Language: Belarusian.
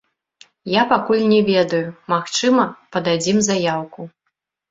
Я пакуль не ведаю, магчыма, пададзім заяўку.